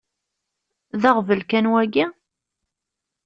D aɣbel kan waki?